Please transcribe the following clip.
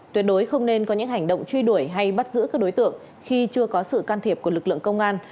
tuyệt đối không nên có những hành động truy đuổi hay bắt giữ các đối tượng khi chưa có sự can thiệp của lực lượng công an